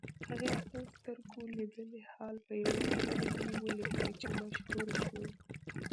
هغه خپل سترګو لیدلی حال په یوه اثر کې ولیکه چې مشهور شو.